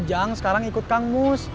ujang sekarang ikut kang bus